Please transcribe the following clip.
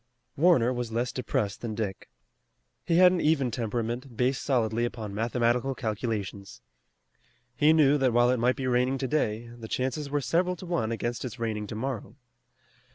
Warner was less depressed than Dick. He had an even temperament based solidly upon mathematical calculations. He knew that while it might be raining today, the chances were several to one against its raining tomorrow.